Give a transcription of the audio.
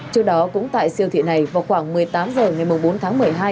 trước đó cũng tại siêu thị này vào khoảng một mươi tám h ngày bốn tháng một mươi hai